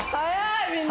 みんな。